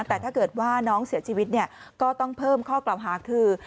แต่ถ้าเกิดว่าน้องเสียชีวิตเนี่ยก็ต้องเพิ่มข้อกล่าวหาคือ